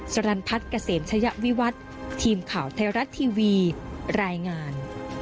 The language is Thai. สรรพัฒน์เกษมชะยะวิวัฒน์ทีมข่าวไทยรัฐทีวีรายงาน